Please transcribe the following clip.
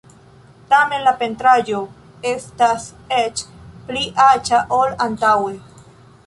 Tamen la pentraĵo estas eĉ pli aĉa ol antaŭe.